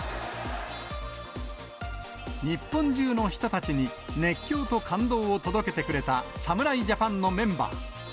日本中の人たちに、熱狂と感動を届けてくれた侍ジャパンのメンバー。